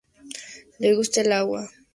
Le gusta el agua de tamarindo.